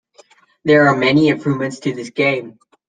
There are many improvements to this game.